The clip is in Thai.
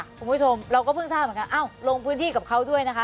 คุณผู้ชมเราก็เพิ่งทราบเหมือนกันเอ้าลงพื้นที่กับเขาด้วยนะคะ